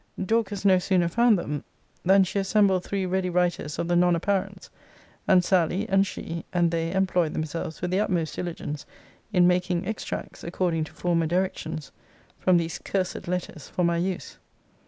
Dorcas no sooner found them, than she assembled three ready writers of the non apparents; and Sally, and she, and they employed themselves with the utmost diligence, in making extracts, according to former directions, from these cursed letters, for my use.